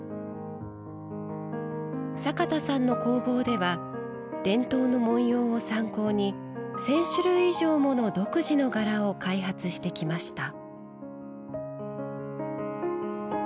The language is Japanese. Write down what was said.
坂田さんの工房では伝統の文様を参考に１０００種類以上もの独自の柄を開発してきました。